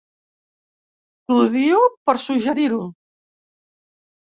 T'odio per suggerir-ho.